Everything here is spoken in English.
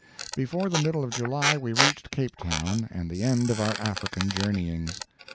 Before the middle of July we reached Cape Town, and the end of our African journeyings.